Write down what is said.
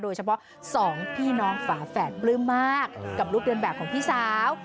สองพี่น้องฝาแฝดปลื้มมากกับลูกเดินแบบของพี่สาว